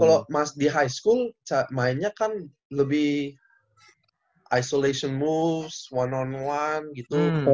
kalau mas di high school mainnya kan lebih isolation move one on one gitu